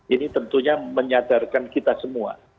ini tentunya menyadarkan kita semua